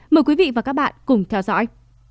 mời quý vị và các bạn cùng theo dõi